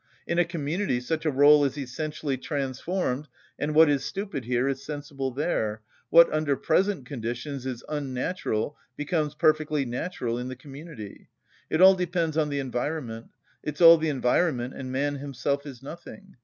In a community, such a rôle is essentially transformed and what is stupid here is sensible there, what, under present conditions, is unnatural becomes perfectly natural in the community. It all depends on the environment. It's all the environment and man himself is nothing.